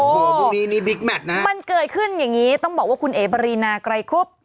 โอ้โหพรุ่งนี้นี่บิ๊กแมทนะมันเกิดขึ้นอย่างนี้ต้องบอกว่าคุณเอ๋ปรีนาไกรคุบ